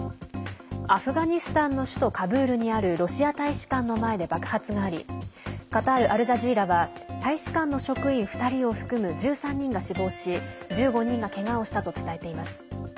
アフガニスタンの首都カブールにあるロシア大使館の前で爆発がありカタール・アルジャジーラは大使館の職員２人を含む１３人が死亡し１５人がけがをしたと伝えています。